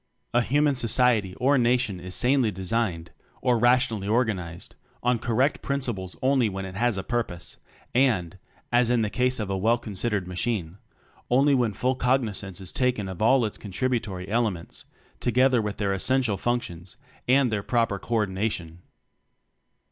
A Human Society or Nation is sanely designed and rationally or ganized on correct principles only when it has a Purpose, and (as in the case of a well considered ma chine) only when full cognizance is taken of all its contributory elements, together with their essential func tions and their proper co ordination.